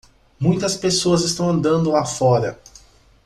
Muitas pessoas estão andando lá fora.